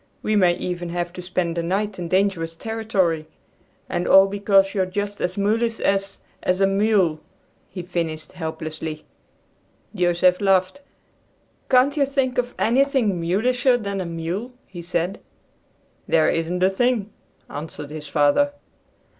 We may even have to spend the night in dangerous territory, and all because you're just as mulish as, as a mule," he finished helplessly. Joseph laughed. "Can't you think of anything mulisher than a mule?" he said. "There isn't a thing," answered his father.